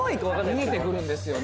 見えてくるんですよね。